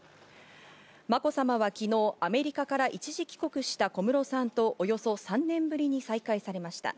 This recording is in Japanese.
まこさまは昨日、アメリカから一時帰国した小室さんとおよそ３年ぶりに再会されました。